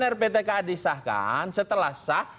rptka disahkan setelah sah